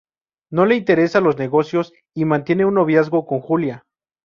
No le interesan los negocios y mantiene un noviazgo con Julia.